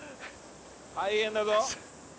大変だぞ。